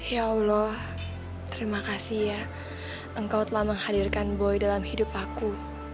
ya allah terima kasih ya engkau telah menghadirkan boy dalam hidup aku